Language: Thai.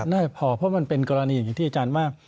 น่าจะพอเพราะมันเป็นกรณีอย่างที่ที่อาจารย์บอก